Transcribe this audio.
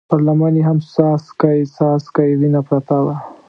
پر لمن يې هم څاڅکی څاڅکی وينه پرته وه.